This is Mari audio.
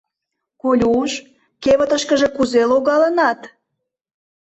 — Колюш, кевытышкыже кузе логалынат?